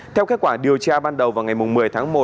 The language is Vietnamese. theo kết quả điều tra ban đầu vào ngày một mươi tháng một